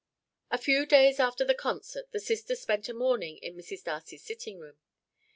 A few days after the concert the sisters spent a morning in Mrs. Darcy's sitting room.